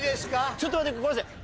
ちょっと待ってごめんなさい